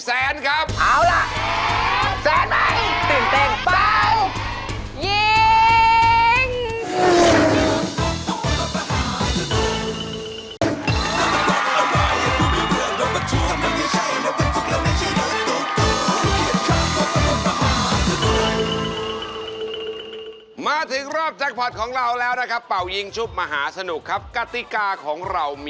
เสมอทุกอย่างและแพ้ทุกอย่าง